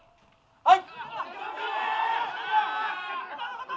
はい。